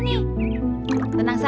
tidak ada kacau